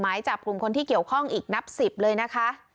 หมายจับกลุ่มคนที่เกี่ยวข้องอีกนับ๑๐เลยนะคะ